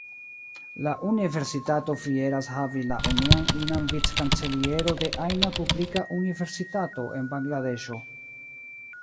La universitato fieras havi la unuan inan Vic-kanceliero de ajna publika universitato en Bangladeŝo.